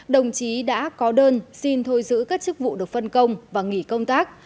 đồng chí đã có đơn xin thôi giữ các chức vụ được phân công và nghỉ công tác